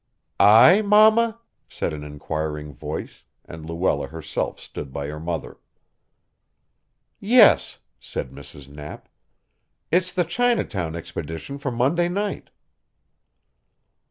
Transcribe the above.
"I, mama?" said an inquiring voice, and Luella herself stood by her mother. "Yes," said Mrs. Knapp. "It's the Chinatown expedition for Monday night."